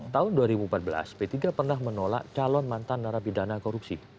tahun dua ribu empat belas p tiga pernah menolak calon mantan narapidana korupsi